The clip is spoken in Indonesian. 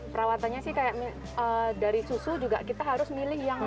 perawatannya sih kayak dari susu juga kita harus milih yang